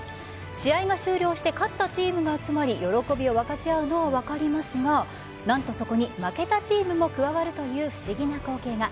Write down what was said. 試合が終了して勝ったチームが集まり喜びを分かち合うのは分かりますが何とそこに負けたチームも加わるという不思議な光景が。